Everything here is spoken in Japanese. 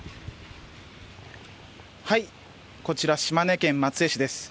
こちら島根県松江市です。